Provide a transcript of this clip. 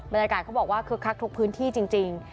บรรยากาศเขาบอกว่าคึกคักทุกพื้นที่จริง